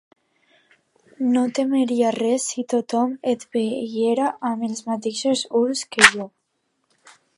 No temeria res si tothom et veiera amb els mateixos ulls que jo.